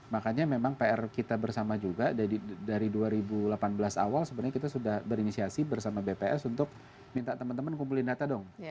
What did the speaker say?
makanya memang pr kita bersama juga dari dua ribu delapan belas awal sebenarnya kita sudah berinisiasi bersama bps untuk minta teman teman kumpulin data dong